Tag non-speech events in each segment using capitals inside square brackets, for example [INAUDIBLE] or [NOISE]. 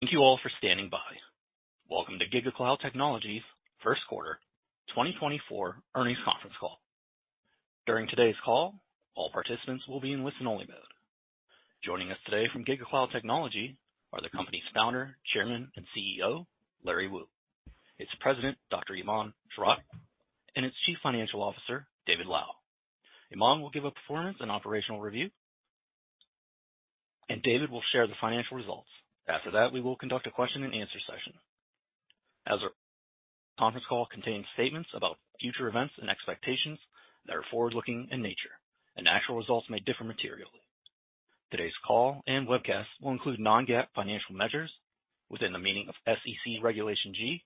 Thank you all for standing by. Welcome to GigaCloud Technology's first quarter 2024 earnings conference call. During today's call, all participants will be in listen-only mode. Joining us today from GigaCloud Technology are the company's founder, Chairman, and CEO, Larry Wu; its President, Dr. Iman Schrock; and its Chief Financial Officer, David Lau. Iman will give a performance and operational review, and David will share the financial results. After that, we will conduct a question-and-answer session. As a conference call contains statements about future events and expectations that are forward-looking in nature, and actual results may differ materially. Today's call and webcast will include non-GAAP financial measures within the meaning of SEC Regulation G.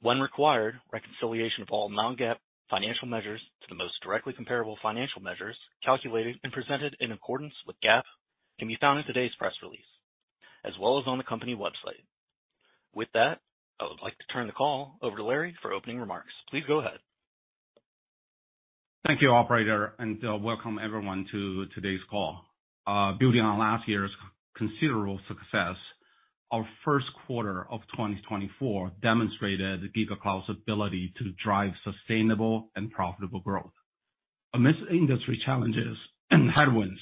When required, reconciliation of all non-GAAP financial measures to the most directly comparable financial measures calculated and presented in accordance with GAAP can be found in today's press release, as well as on the company website. With that, I would like to turn the call over to Larry for opening remarks. Please go ahead. Thank you, operator, and welcome everyone to today's call. Building on last year's considerable success, our first quarter of 2024 demonstrated GigaCloud's ability to drive sustainable and profitable growth. Amidst industry challenges and headwinds,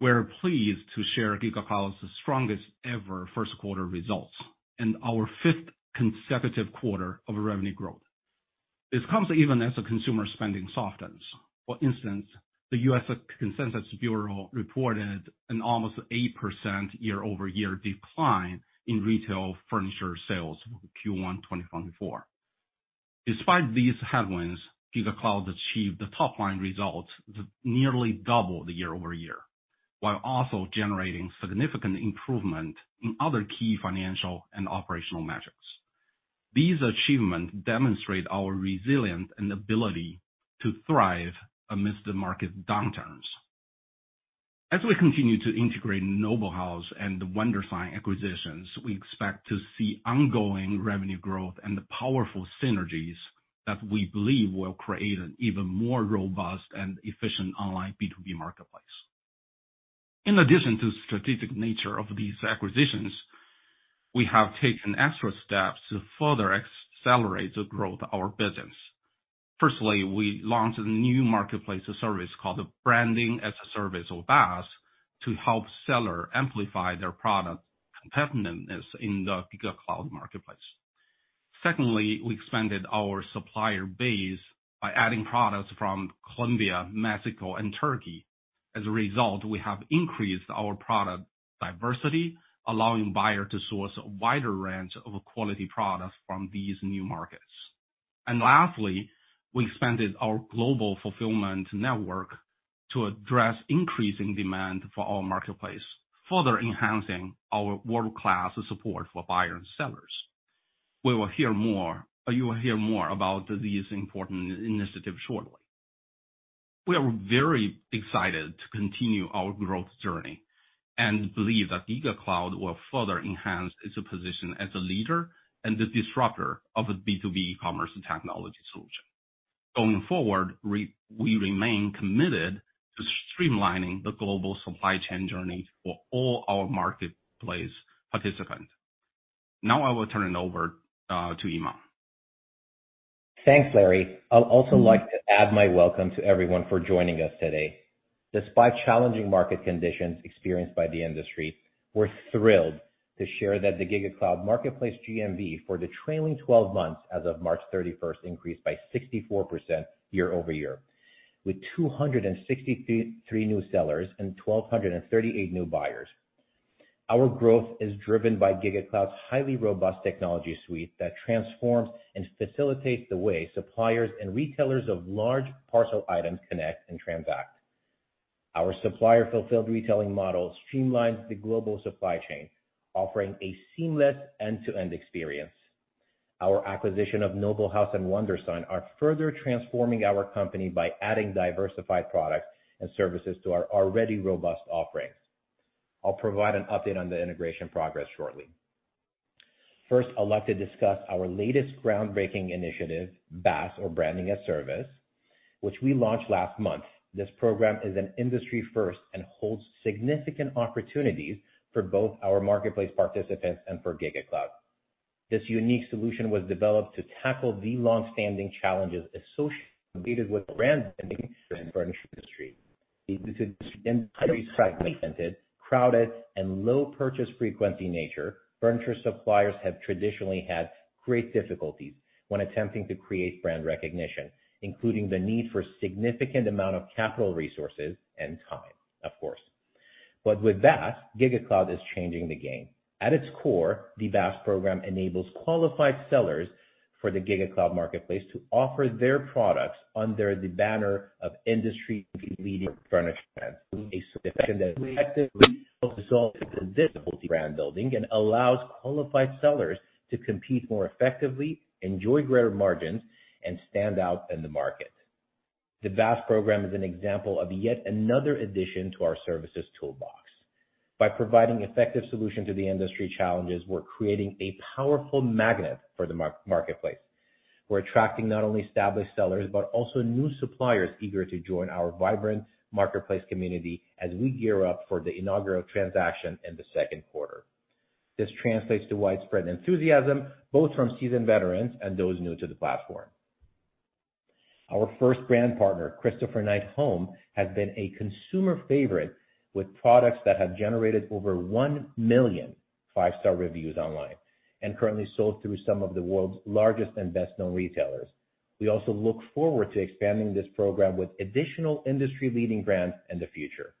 we're pleased to share GigaCloud's strongest-ever first quarter results and our fifth consecutive quarter of revenue growth. This comes even as consumer spending softens. For instance, the U.S. Census Bureau reported an almost 8% year-over-year decline in retail furniture sales for Q1 2024. Despite these headwinds, GigaCloud achieved top-line results that nearly doubled year-over-year, while also generating significant improvement in other key financial and operational metrics. These achievements demonstrate our resilience and ability to thrive amidst the market downturns. As we continue to integrate Noble House and Wondersign acquisitions, we expect to see ongoing revenue growth and powerful synergies that we believe will create an even more robust and efficient online B2B marketplace. In addition to the strategic nature of these acquisitions, we have taken extra steps to further accelerate the growth of our business. Firstly, we launched a new marketplace service called Branding-as-a-Service or BAS to help sellers amplify their product competitiveness in the GigaCloud Marketplace. Secondly, we expanded our supplier base by adding products from Colombia, Mexico, and Turkey. As a result, we have increased our product diversity, allowing buyers to source a wider range of quality products from these new markets. Lastly, we expanded our global fulfillment network to address increasing demand for our marketplace, further enhancing our world-class support for buyers and sellers. We will hear more. You will hear more about these important initiatives shortly. We are very excited to continue our growth journey and believe that GigaCloud will further enhance its position as a leader and a disruptor of a B2B e-commerce technology solution. Going forward, we remain committed to streamlining the global supply chain journey for all our marketplace participants. Now I will turn it over to Iman. Thanks, Larry. I'll also like to add my welcome to everyone for joining us today. Despite challenging market conditions experienced by the industry, we're thrilled to share that the GigaCloud Marketplace GMV for the trailing 12 months as of March 31st increased by 64% year-over-year, with 263 new sellers and 1,238 new buyers. Our growth is driven by GigaCloud's highly robust technology suite that transforms and facilitates the way suppliers and retailers of large parcel items connect and transact. Our supplier-fulfilled retailing model streamlines the global supply chain, offering a seamless end-to-end experience. Our acquisition of Noble House and Wondersign are further transforming our company by adding diversified products and services to our already robust offerings. I'll provide an update on the integration progress shortly. First, I'd like to discuss our latest groundbreaking initiative, BAS or Branding-as-a-Service, which we launched last month. This program is an industry-first and holds significant opportunities for both our marketplace participants and for GigaCloud. This unique solution was developed to tackle the longstanding challenges associated with branding in the furniture industry. Due to the [AUDIO DISTORTION] fragmented, crowded, and low purchase frequency nature, furniture suppliers have traditionally had great difficulties when attempting to create brand recognition, including the need for a significant amount of capital resources and time, of course. But with BAS, GigaCloud is changing the game. At its core, the BAS program enables qualified sellers for the GigaCloud Marketplace to offer their products under the banner of industry-leading furniture brands. A solution that effectively resolves the difficulty of brand building and allows qualified sellers to compete more effectively, enjoy greater margins, and stand out in the market. The BAS program is an example of yet another addition to our services toolbox. By providing effective solutions to the industry challenges, we're creating a powerful magnet for the marketplace. We're attracting not only established sellers but also new suppliers eager to join our vibrant marketplace community as we gear up for the inaugural transaction in the second quarter. This translates to widespread enthusiasm, both from seasoned veterans and those new to the platform. Our first brand partner, Christopher Knight Home, has been a consumer favorite with products that have generated over 1 million five-star reviews online and currently sold through some of the world's largest and best-known retailers. We also look forward to expanding this program with additional industry-leading brands in the future.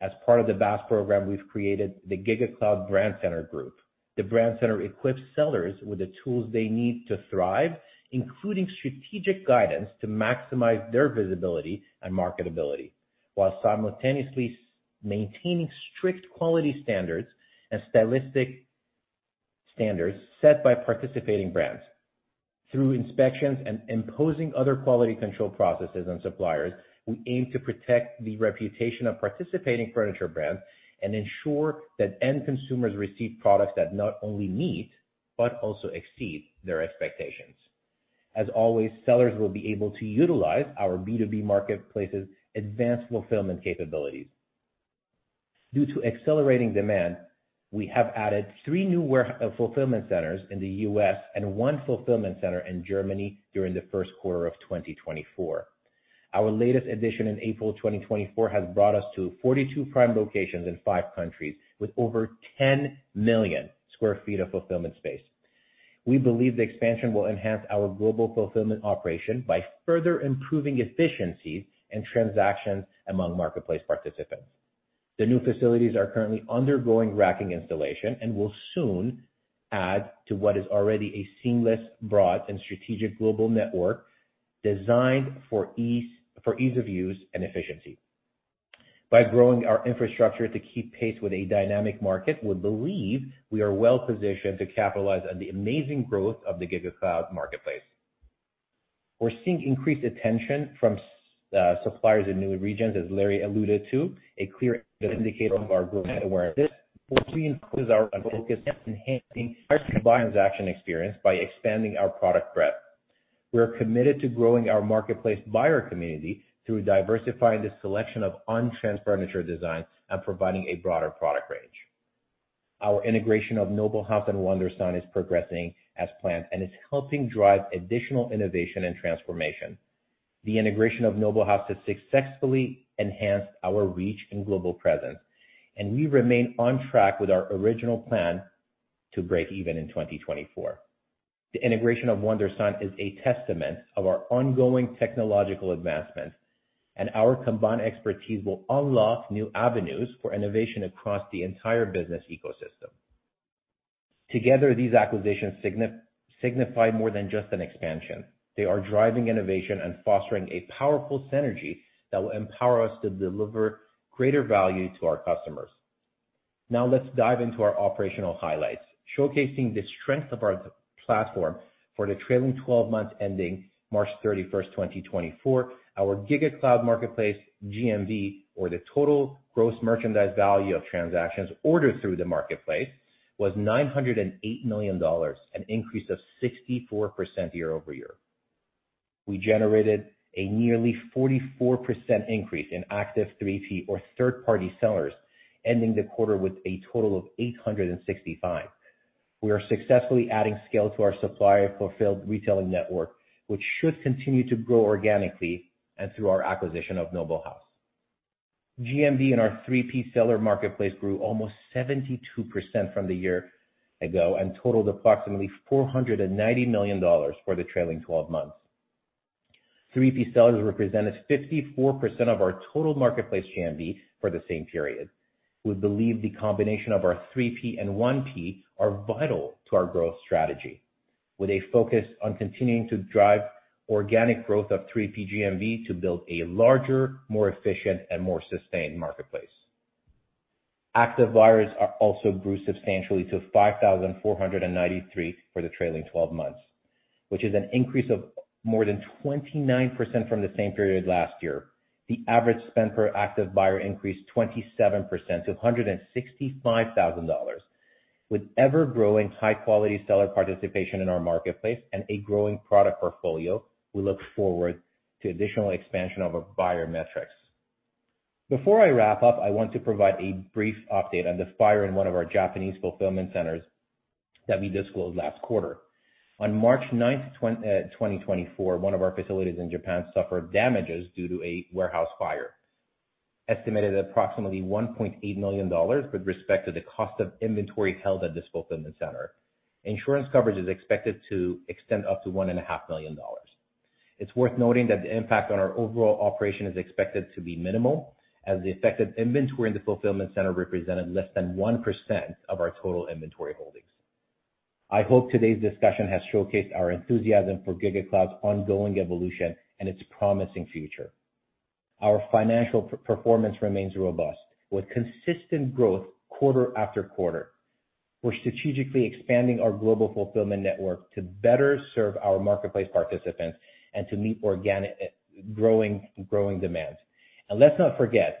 As part of the BAS program, we've created the GigaCloud Brand Center Group. The Brand Center equips sellers with the tools they need to thrive, including strategic guidance to maximize their visibility and marketability, while simultaneously maintaining strict quality standards and stylistic standards set by participating brands. Through inspections and imposing other quality control processes on suppliers, we aim to protect the reputation of participating furniture brands and ensure that end consumers receive products that not only meet but also exceed their expectations. As always, sellers will be able to utilize our B2B marketplace's advanced fulfillment capabilities. Due to accelerating demand, we have added three new fulfillment centers in the U.S. and one fulfillment center in Germany during the first quarter of 2024. Our latest addition in April 2024 has brought us to 42 prime locations in five countries with over 10 million sq ft of fulfillment space. We believe the expansion will enhance our global fulfillment operation by further improving efficiencies and transactions among marketplace participants. The new facilities are currently undergoing racking installation and will soon add to what is already a seamless, broad, and strategic global network designed for ease of use and efficiency. By growing our infrastructure to keep pace with a dynamic market, we believe we are well-positioned to capitalize on the amazing growth of the GigaCloud Marketplace. We're seeing increased attention from suppliers in new regions, as Larry alluded to, a clear indicator of our growth awareness. This reinforces our focus on enhancing buyer's interaction experience by expanding our product breadth. We're committed to growing our marketplace buyer community through diversifying the selection of on-trend furniture designs and providing a broader product range. Our integration of Noble House and Wondersign is progressing as planned and is helping drive additional innovation and transformation. The integration of Noble House has successfully enhanced our reach and global presence, and we remain on track with our original plan to break even in 2024. The integration of Wondersign is a testament of our ongoing technological advancements, and our combined expertise will unlock new avenues for innovation across the entire business ecosystem. Together, these acquisitions signify more than just an expansion. They are driving innovation and fostering a powerful synergy that will empower us to deliver greater value to our customers. Now let's dive into our operational highlights, showcasing the strength of our platform for the trailing 12 months ending March 31st, 2024. Our GigaCloud Marketplace GMV, or the total gross merchandise value of transactions ordered through the marketplace, was $908 million, an increase of 64% year-over-year. We generated a nearly 44% increase in active 3P, or third-party sellers, ending the quarter with a total of 865. We are successfully adding scale to our supplier-fulfilled retailing network, which should continue to grow organically and through our acquisition of Noble House. GMV and our 3P seller marketplace grew almost 72% from the year ago and totaled approximately $490 million for the trailing 12 months. 3P sellers represented 54% of our total marketplace GMV for the same period. We believe the combination of our 3P and 1P are vital to our growth strategy, with a focus on continuing to drive organic growth of 3P GMV to build a larger, more efficient, and more sustained marketplace. Active buyers also grew substantially to 5,493 for the trailing 12 months, which is an increase of more than 29% from the same period last year. The average spend per active buyer increased 27% to $165,000. With ever-growing high-quality seller participation in our marketplace and a growing product portfolio, we look forward to additional expansion of our buyer metrics. Before I wrap up, I want to provide a brief update on the fire in one of our Japanese fulfillment centers that we disclosed last quarter. On March 9th, 2024, one of our facilities in Japan suffered damages due to a warehouse fire, estimated at approximately $1.8 million with respect to the cost of inventory held at this fulfillment center. Insurance coverage is expected to extend up to $1.5 million. It's worth noting that the impact on our overall operation is expected to be minimal, as the affected inventory in the fulfillment center represented less than 1% of our total inventory holdings. I hope today's discussion has showcased our enthusiasm for GigaCloud's ongoing evolution and its promising future. Our financial performance remains robust, with consistent growth quarter-after-quarter. We're strategically expanding our global fulfillment network to better serve our marketplace participants and to meet growing demands. And let's not forget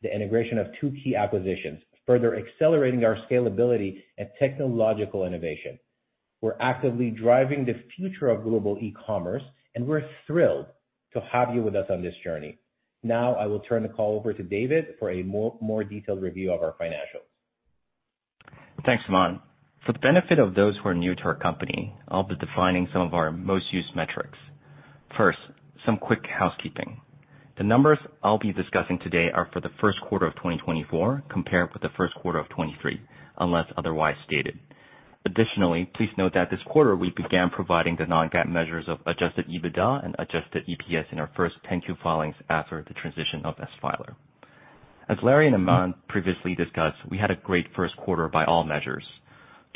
the integration of two key acquisitions, further accelerating our scalability and technological innovation. We're actively driving the future of global e-commerce, and we're thrilled to have you with us on this journey. Now I will turn the call over to David for a more detailed review of our financials. Thanks, Iman. For the benefit of those who are new to our company, I'll be defining some of our most-used metrics. First, some quick housekeeping. The numbers I'll be discussing today are for the first quarter of 2024 compared with the first quarter of 2023, unless otherwise stated. Additionally, please note that this quarter we began providing the non-GAAP measures of adjusted EBITDA and adjusted EPS in our first 10-Q filings after the transition of S-Filer. As Larry and Iman previously discussed, we had a great first quarter by all measures.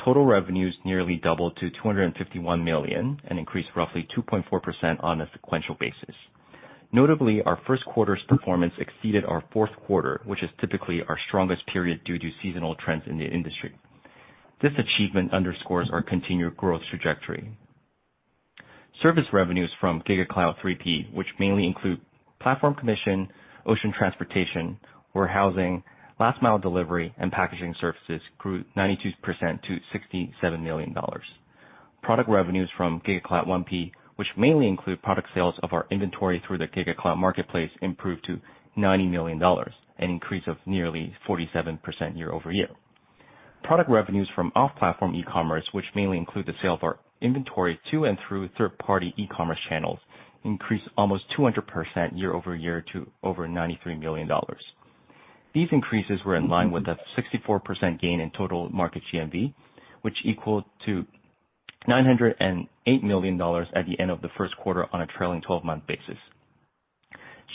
Total revenues nearly doubled to $251 million and increased roughly 2.4% on a sequential basis. Notably, our first quarter's performance exceeded our fourth quarter, which is typically our strongest period due to seasonal trends in the industry. This achievement underscores our continued growth trajectory. Service revenues from GigaCloud 3P, which mainly include platform commission, ocean transportation, warehousing, last-mile delivery, and packaging services, grew 92% to $67 million. Product revenues from GigaCloud 1P, which mainly include product sales of our inventory through the GigaCloud Marketplace, improved to $90 million, an increase of nearly 47% year-over-year. Product revenues from off-platform e-commerce, which mainly include the sale of our inventory to and through third-party e-commerce channels, increased almost 200% year-over-year to over $93 million. These increases were in line with a 64% gain in total market GMV, which equal to $908 million at the end of the first quarter on a trailing 12-month basis.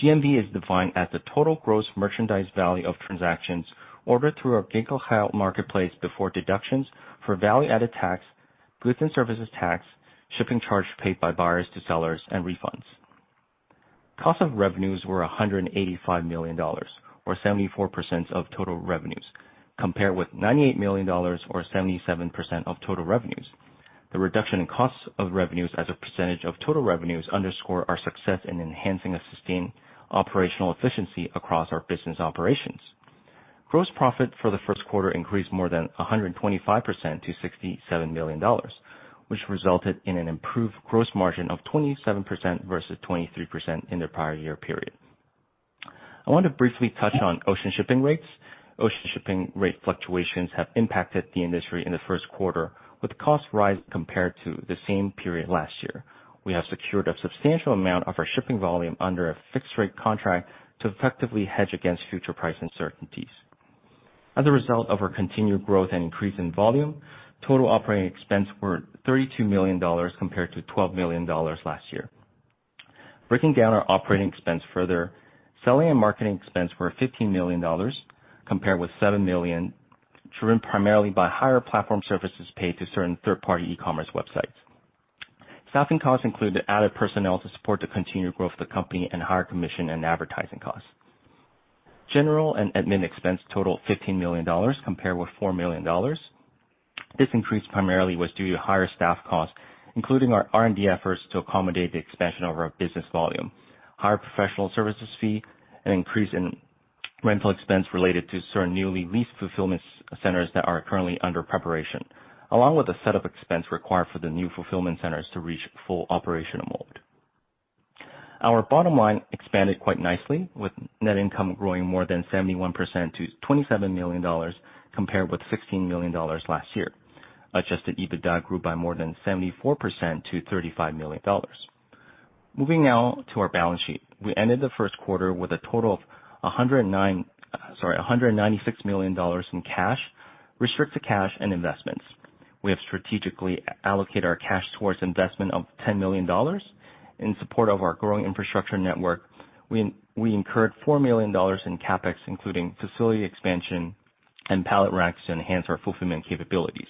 GMV is defined as the total gross merchandise value of transactions ordered through our GigaCloud Marketplace before deductions for value-added tax, goods and services tax, shipping charges paid by buyers to sellers, and refunds. Cost of revenues were $185 million, or 74% of total revenues, compared with $98 million, or 77% of total revenues. The reduction in costs of revenues as a percentage of total revenues underscores our success in enhancing a sustained operational efficiency across our business operations. Gross profit for the first quarter increased more than 125% to $67 million, which resulted in an improved gross margin of 27% versus 23% in the prior year period. I want to briefly touch on ocean shipping rates. Ocean shipping rate fluctuations have impacted the industry in the first quarter, with costs rising compared to the same period last year. We have secured a substantial amount of our shipping volume under a fixed-rate contract to effectively hedge against future price uncertainties. As a result of our continued growth and increase in volume, total operating expense was $32 million compared to $12 million last year. Breaking down our operating expense further, selling and marketing expense were $15 million compared with $7 million, driven primarily by higher platform services paid to certain third-party e-commerce websites. Staffing costs included added personnel to support the continued growth of the company and higher commission and advertising costs. General and administrative expense totaled $15 million compared with $4 million. This increase primarily was due to higher staff costs, including our R&D efforts to accommodate the expansion of our business volume, higher professional services fee, an increase in rental expense related to certain newly leased fulfillment centers that are currently under preparation, along with the setup expense required for the new fulfillment centers to reach full operational mode. Our bottom line expanded quite nicely, with net income growing more than 71% to $27 million compared with $16 million last year. Adjusted EBITDA grew by more than 74% to $35 million. Moving now to our balance sheet, we ended the first quarter with a total of $196 million in cash, restricted cash, and investments. We have strategically allocated our cash towards investment of $10 million. In support of our growing infrastructure network, we incurred $4 million in CapEx, including facility expansion and pallet racks to enhance our fulfillment capabilities.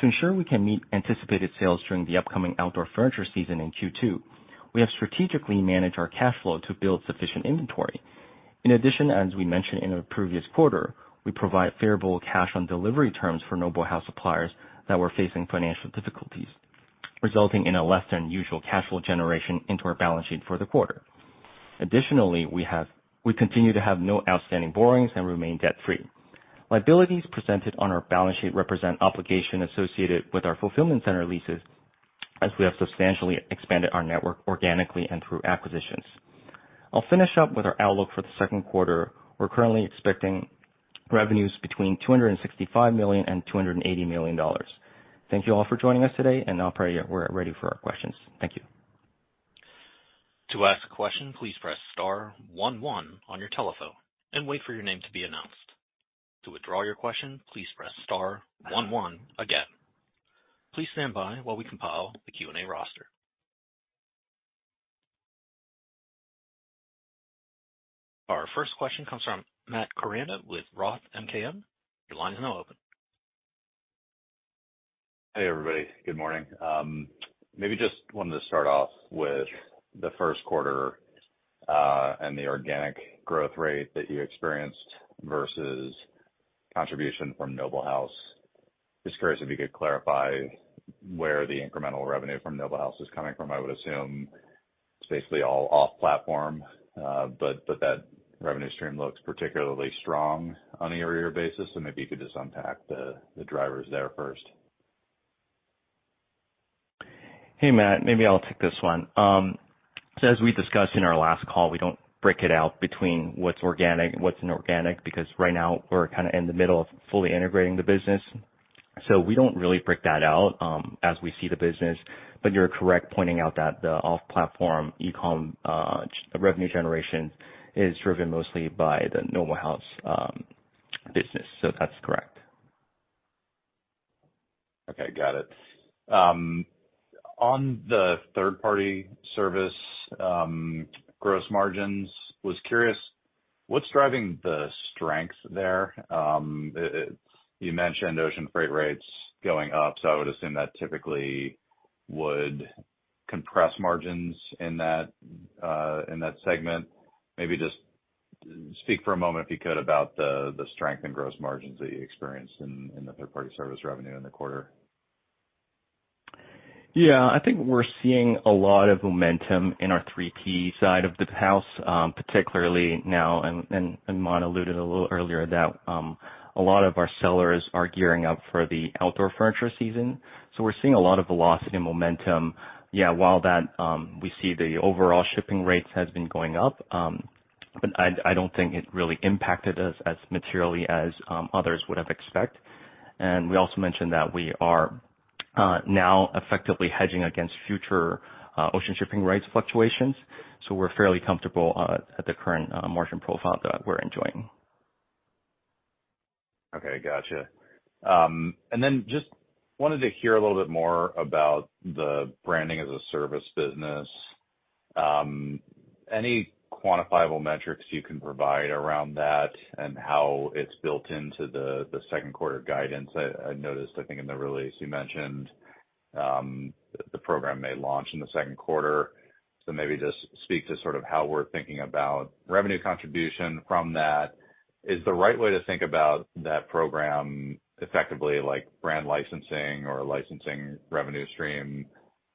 To ensure we can meet anticipated sales during the upcoming outdoor furniture season in Q2, we have strategically managed our cash flow to build sufficient inventory. In addition, as we mentioned in a previous quarter, we provide favorable cash on delivery terms for Noble House suppliers that were facing financial difficulties, resulting in a less-than-usual cash flow generation into our balance sheet for the quarter. Additionally, we continue to have no outstanding borrowings and remain debt-free. Liabilities presented on our balance sheet represent obligations associated with our fulfillment center leases, as we have substantially expanded our network organically and through acquisitions. I'll finish up with our outlook for the second quarter. We're currently expecting revenues between $265 million and $280 million. Thank you all for joining us today, and now, Operator, we're ready for our questions. Thank you. To ask a question, please press star one one on your telephone and wait for your name to be announced. To withdraw your question, please press star one one again. Please stand by while we compile the Q&A roster. Our first question comes from Matt Koranda with Roth MKM. Your line is now open. Hey, everybody. Good morning. Maybe just wanted to start off with the first quarter and the organic growth rate that you experienced versus contribution from Noble House. Just curious if you could clarify where the incremental revenue from Noble House is coming from. I would assume it's basically all off-platform, but that revenue stream looks particularly strong on a year-to-year basis. So maybe you could just unpack the drivers there first. Hey, Matt. Maybe I'll take this one. So as we discussed in our last call, we don't break it out between what's organic and what's inorganic because right now we're kind of in the middle of fully integrating the business. So we don't really break that out as we see the business. But you're correct pointing out that the off-platform e-com revenue generation is driven mostly by the Noble House business. So that's correct. Okay. Got it. On the third-party service gross margins, I was curious what's driving the strength there. You mentioned ocean freight rates going up, so I would assume that typically would compress margins in that segment. Maybe just speak for a moment, if you could, about the strength in gross margins that you experienced in the third-party service revenue in the quarter. Yeah. I think we're seeing a lot of momentum in our 3P side of the house, particularly now. Iman alluded a little earlier that a lot of our sellers are gearing up for the outdoor furniture season. We're seeing a lot of velocity and momentum. Yeah, while we see the overall shipping rates have been going up, but I don't think it really impacted us as materially as others would have expected. We also mentioned that we are now effectively hedging against future ocean shipping rates fluctuations. We're fairly comfortable at the current margin profile that we're enjoying. Okay. Gotcha. And then just wanted to hear a little bit more about the Branding as a Service business. Any quantifiable metrics you can provide around that and how it's built into the second quarter guidance? I noticed, I think, in the release, you mentioned the program may launch in the second quarter. So maybe just speak to sort of how we're thinking about revenue contribution from that. Is the right way to think about that program effectively like brand licensing or a licensing revenue stream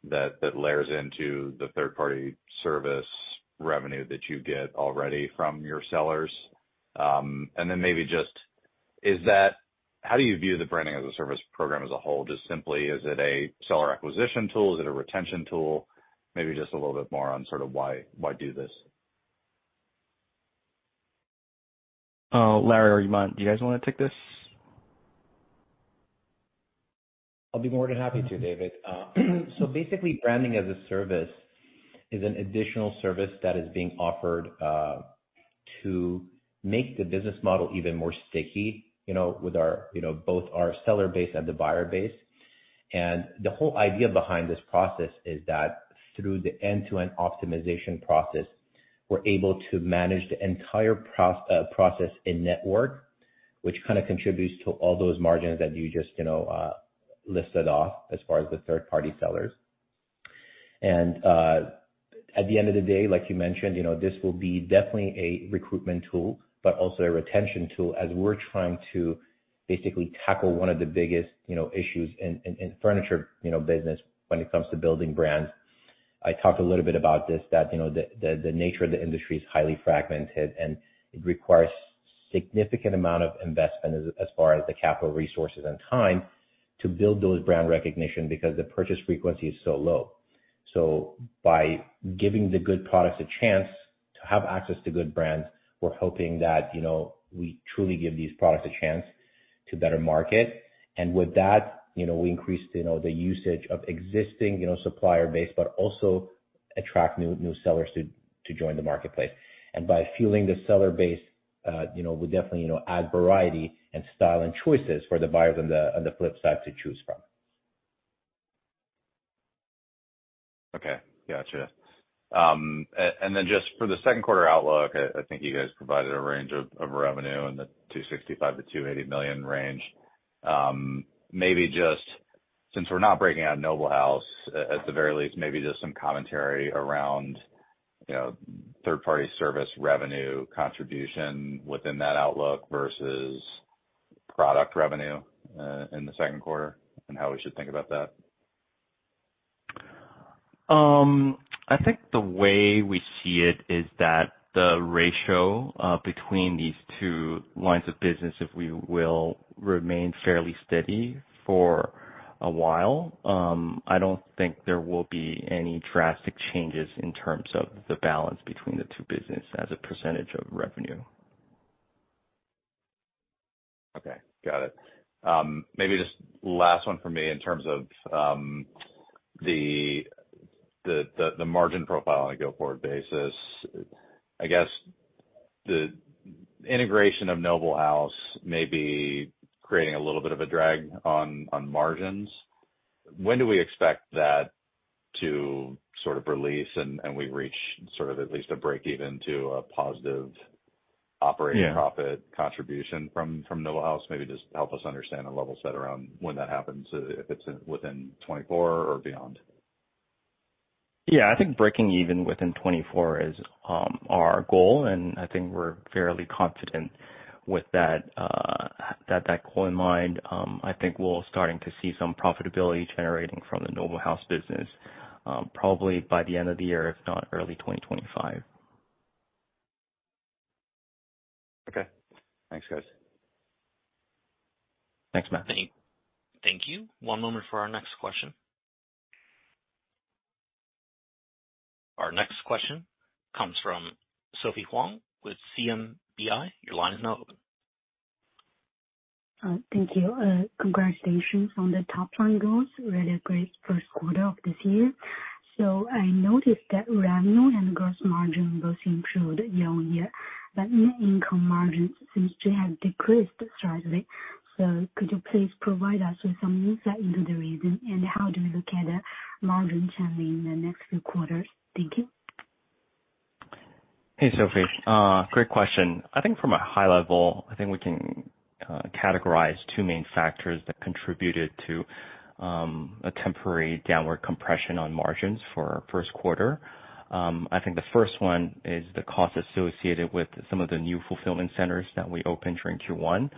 that layers into the third-party service revenue that you get already from your sellers? And then maybe just how do you view the Branding as a Service program as a whole? Just simply, is it a seller acquisition tool? Is it a retention tool? Maybe just a little bit more on sort of why do this? Larry or Iman, do you guys want to take this? I'll be more than happy to, David. So basically, Branding-as-a-Service is an additional service that is being offered to make the business model even more sticky with both our seller base and the buyer base. And the whole idea behind this process is that through the end-to-end optimization process, we're able to manage the entire process in-network, which kind of contributes to all those margins that you just listed off as far as the third-party sellers. And at the end of the day, like you mentioned, this will be definitely a recruitment tool but also a retention tool as we're trying to basically tackle one of the biggest issues in furniture business when it comes to building brands. I talked a little bit about this, that the nature of the industry is highly fragmented, and it requires a significant amount of investment as far as the capital resources and time to build those brand recognition because the purchase frequency is so low. So by giving the good products a chance to have access to good brands, we're hoping that we truly give these products a chance to better market. And with that, we increase the usage of existing supplier base but also attract new sellers to join the marketplace. And by fueling the seller base, we definitely add variety and style and choices for the buyers on the flip side to choose from. Okay. Gotcha. And then just for the second quarter outlook, I think you guys provided a range of revenue in the $265 million-$280 million. Maybe just since we're not breaking out Noble House, at the very least, maybe just some commentary around third-party service revenue contribution within that outlook versus product revenue in the second quarter and how we should think about that. I think the way we see it is that the ratio between these two lines of business, if we will, remains fairly steady for a while. I don't think there will be any drastic changes in terms of the balance between the two businesses as a percentage of revenue. Okay. Got it. Maybe just last one for me in terms of the margin profile on a go-forward basis. I guess the integration of Noble House may be creating a little bit of a drag on margins. When do we expect that to sort of release and we reach sort of at least a break-even to a positive operating profit contribution from Noble House? Maybe just help us understand a level set around when that happens, if it's within 2024 or beyond? Yeah. I think breaking even within 2024 is our goal, and I think we're fairly confident with that goal in mind. I think we're starting to see some profitability generating from the Noble House business probably by the end of the year, if not early 2025. Okay. Thanks, guys. Thanks, Matt. Thank you. One moment for our next question. Our next question comes from Sophie Huang with CMBI. Your line is now open. Thank you. Congratulations on the top-line growth. Really a great first quarter of this year. So I noticed that revenue and gross margin both improved year-over-year, but net income margins seem to have decreased slightly. So could you please provide us with some insight into the reason, and how do we look at the margin trending in the next few quarters? Thank you. Hey, Sophie. Great question. I think from a high level, I think we can categorize two main factors that contributed to a temporary downward compression on margins for our first quarter. I think the first one is the cost associated with some of the new fulfillment centers that we opened during Q1.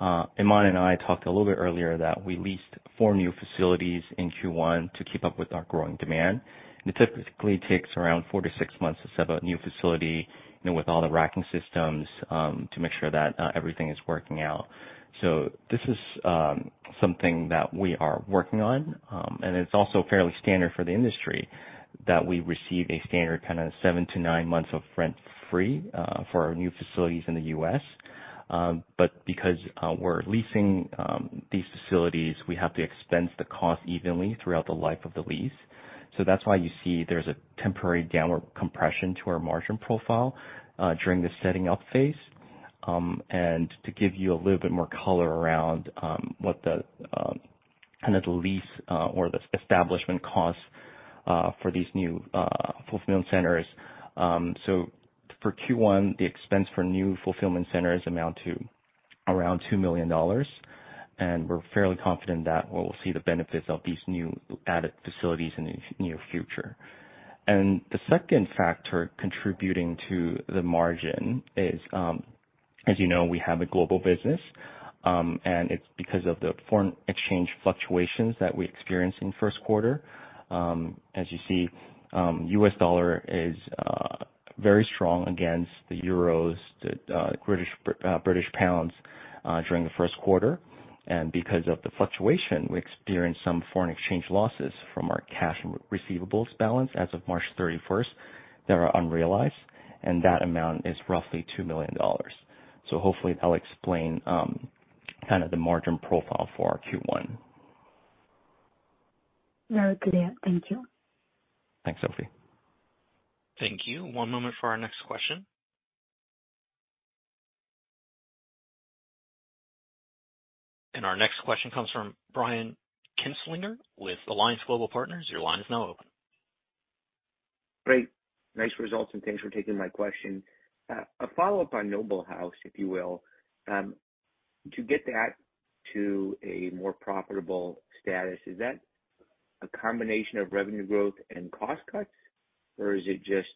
Iman and I talked a little bit earlier that we leased four new facilities in Q1 to keep up with our growing demand. And it typically takes around four-six months to set up a new facility with all the racking systems to make sure that everything is working out. So this is something that we are working on. And it's also fairly standard for the industry that we receive a standard kind of seven-nine months of rent-free for our new facilities in the U.S. But because we're leasing these facilities, we have to expense the cost evenly throughout the life of the lease. So that's why you see there's a temporary downward compression to our margin profile during the setting-up phase. And to give you a little bit more color around kind of the lease or the establishment costs for these new fulfillment centers, so for Q1, the expense for new fulfillment centers amount to around $2 million. And we're fairly confident that we'll see the benefits of these new added facilities in the near future. And the second factor contributing to the margin is, as you know, we have a global business. And it's because of the foreign exchange fluctuations that we experienced in the first quarter. As you see, US dollar is very strong against the euros, the British pounds during the first quarter. Because of the fluctuation, we experienced some foreign exchange losses from our cash and receivables balance as of March 31st that are unrealized. That amount is roughly $2 million. Hopefully, that'll explain kind of the margin profile for our Q1. Very good. [AUDIO DISTORTION] Thank you. Thanks, Sophie. Thank you. One moment for our next question. Our next question comes from Brian Kinstlinger with Alliance Global Partners. Your line is now open. Great. Nice results, and thanks for taking my question. A follow-up on Noble House, if you will. To get that to a more profitable status, is that a combination of revenue growth and cost cuts, or is it just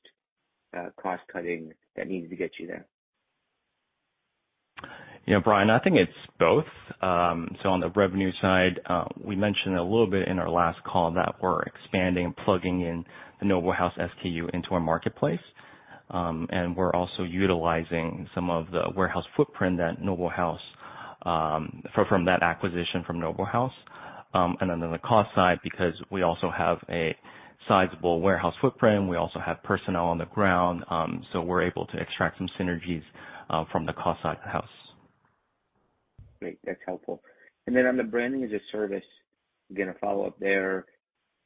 cost cutting that needs to get you there? Brian, I think it's both. So on the revenue side, we mentioned a little bit in our last call that we're expanding and plugging in the Noble House SKU into our marketplace. And we're also utilizing some of the warehouse footprint from that acquisition from Noble House. And then on the cost side, because we also have a sizable warehouse footprint, we also have personnel on the ground, so we're able to extract some synergies from the cost side of the house. Great. That's helpful. Then on the Branding-as-a-Service, again, a follow-up there,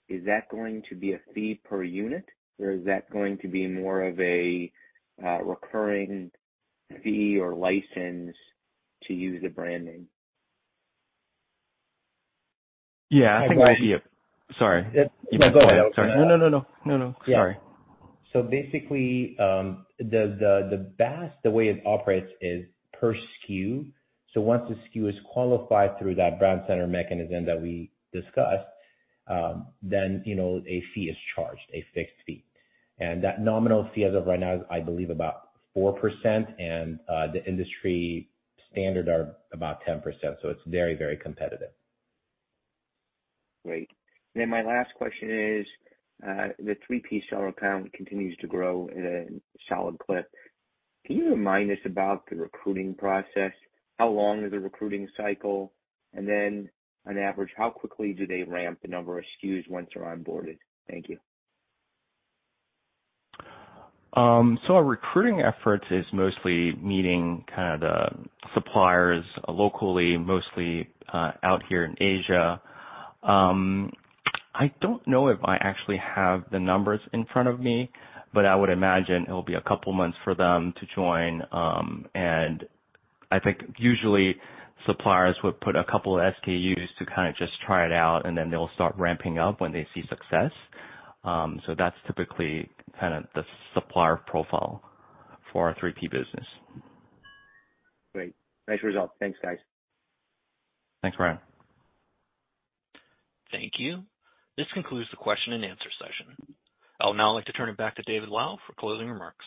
is that going to be a fee per unit, or is that going to be more of a recurring fee or license to use the branding? Yeah. I think it will be a sorry. Go ahead. Sorry. No, no, no, no. No, no. Sorry. Yeah. So basically, the way it operates is per SKU. So once the SKU is qualified through that brand center mechanism that we discussed, then a fee is charged, a fixed fee. And that nominal fee as of right now is, I believe, about 4%, and the industry standard are about 10%. So it's very, very competitive. Great. And then my last question is, the 3P seller count continues to grow in a solid clip. Can you remind us about the recruiting process? How long is the recruiting cycle? And then on average, how quickly do they ramp the number of SKUs once they're onboarded? Thank you. So our recruiting efforts is mostly meeting kind of the suppliers locally, mostly out here in Asia. I don't know if I actually have the numbers in front of me, but I would imagine it'll be a couple of months for them to join. And I think usually, suppliers would put a couple of SKUs to kind of just try it out, and then they'll start ramping up when they see success. So that's typically kind of the supplier profile for our 3P business. Great. Nice result. Thanks, guys. Thanks, Brian. Thank you. This concludes the question-and-answer session. I'll now like to turn it back to David Lau for closing remarks.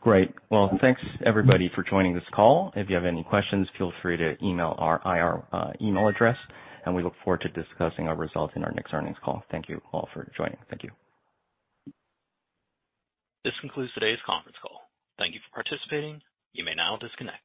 Great. Well, thanks, everybody, for joining this call. If you have any questions, feel free to email our email address, and we look forward to discussing our results in our next earnings call. Thank you all for joining. Thank you. This concludes today's conference call. Thank you for participating. You may now disconnect.